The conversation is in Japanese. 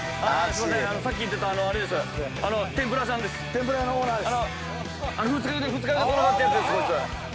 天ぷら屋のオーナーです。